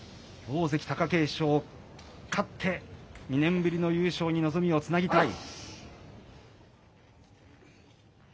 大関・貴景勝、勝って２年ぶりの優勝に望みをつなぎたい。